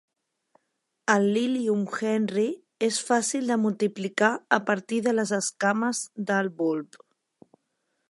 El "Lilium henryi" és fàcil de multiplicar a partir de les escames del bulb.